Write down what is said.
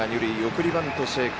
送りバント成功。